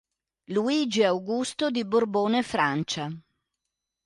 Luigi Augusto di Borbone-Francia